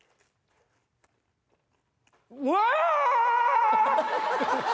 うわ！